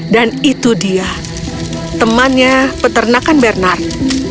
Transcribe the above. dan itu dia temannya peternakan bernard